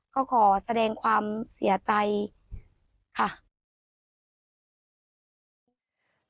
ก็ขอแสดงความเสียใจค่ะ